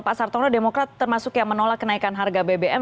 pak sartono demokrat termasuk yang menolak kenaikan harga bbm